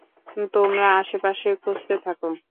তোমরা আশেপাশে খুঁজতে থাকো।